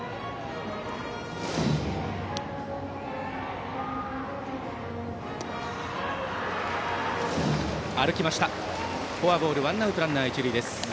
フォアボールワンアウトランナー、一塁。